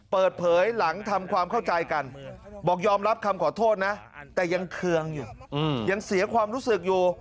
ผมขอโทษนะแต่ยังเคืองอยู่ยังเสียความรู้สึกอยู่